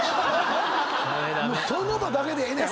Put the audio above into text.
その場だけでええねん！